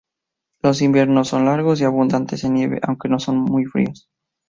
Los inviernos son largos y abundantes en nieve, aunque no muy fríos.